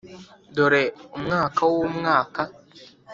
'dore umwaka wumwaka.